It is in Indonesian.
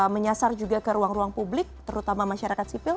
menyasar juga ke ruang ruang publik terutama masyarakat sipil